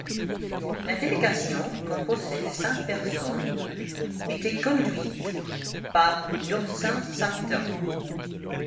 La délégation, composée de cinq personnes, était conduite par Lobsang Samten.